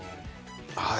はい。